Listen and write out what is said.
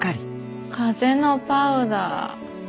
風のパウダー。